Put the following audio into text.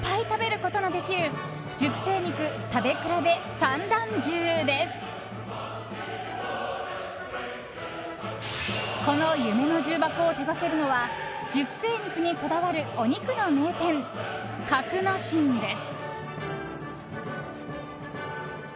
この夢の重箱を手掛けるのは熟成肉にこだわる、お肉の名店格之進です。